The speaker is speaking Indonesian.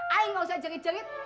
ayah nggak usah jerit jerit